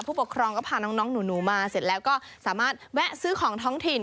ผู้ปกครองก็พาน้องหนูมาเสร็จแล้วก็สามารถแวะซื้อของท้องถิ่น